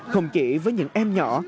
không chỉ với những em nhỏ